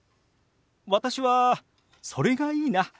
私はそれがいいな。